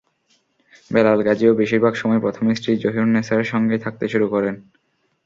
বেলাল গাজীও বেশির ভাগ সময় প্রথম স্ত্রী জহিরুন্নেছার সঙ্গেই থাকতে শুরু করেন।